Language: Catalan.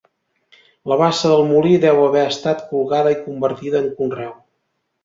La bassa del molí deu haver estat colgada i convertida en conreu.